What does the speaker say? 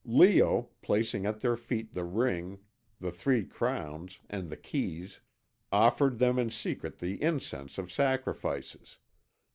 Leo, placing at their feet the ring, the three crowns, and the keys, offered them in secret the incense of sacrifices.